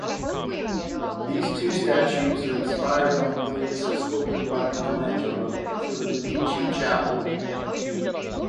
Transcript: These two statues are inspired on those sculpted by Michelangelo for the Medici Chapel.